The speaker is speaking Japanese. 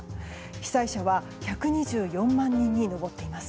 被災者は１２４万人に上っています。